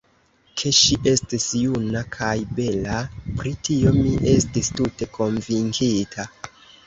Ke ŝi estis juna kaj bela, pri tio mi estis tute konvinkita.